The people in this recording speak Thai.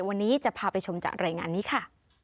วันนี้จะพาไปชมจากรายงานนี้ค่ะ